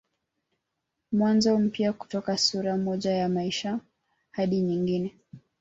Mwanzo mpya kutoka sura moja ya maisha hadi nyingine